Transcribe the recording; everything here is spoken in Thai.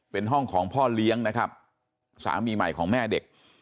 เป็นห้องของพ่อเลี้ยงนะครับสามีใหม่ของแม่เด็ก